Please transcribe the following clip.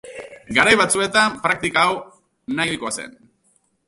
Garai batzuetan praktika hau nahi ohikoa izan.